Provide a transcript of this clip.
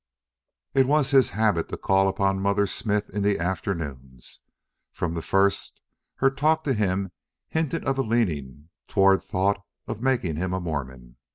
It was his habit to call upon Mother Smith in the afternoons. From the first her talk to him hinted of a leaning toward thought of making him a Mormon.